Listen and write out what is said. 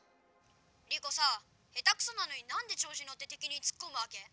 リコさへたくそなのになんで調子にのって敵につっこむわけ？